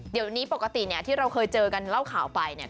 เดี๋ยวนี้ปกติเนี่ยที่เราเคยเจอกันเล่าข่าวไปเนี่ย